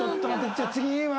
じゃあ次は？